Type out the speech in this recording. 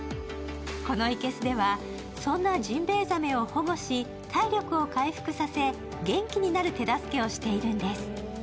この生けすではそんなジンベイザメを保護し、体力を回復させ、元気になる手助けをしているんです。